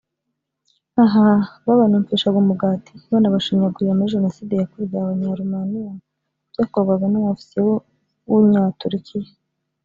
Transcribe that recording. Aha baba nomfeshaga umugati banabashinyagurira muri jenoside yakorewe abanya Romaniya byakorwaga numu ofisiye wunya Turukiya